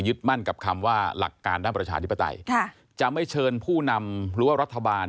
มั่นกับคำว่าหลักการด้านประชาธิปไตยค่ะจะไม่เชิญผู้นำหรือว่ารัฐบาล